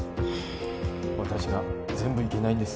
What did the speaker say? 私が全部いけないんです